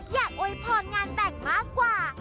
อยากโวยพรงานแบ่งมากกว่า